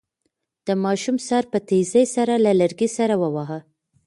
د ماشوم سر په تېزۍ سره له لرګي سره وواهه.